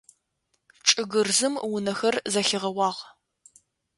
ЧӀыгырзым унэхэр зэхигъэуагъ.